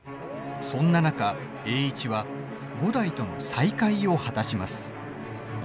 そんな中、栄一は五代との再会を果たします。